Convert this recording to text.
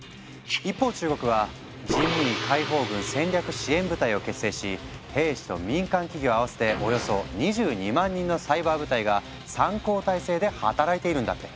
一方中国は「人民解放軍戦略支援部隊」を結成し兵士と民間企業合わせておよそ２２万人のサイバー部隊が３交代制で働いているんだって。